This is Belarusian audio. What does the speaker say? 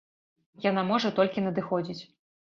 Яна можа толькі надыходзіць.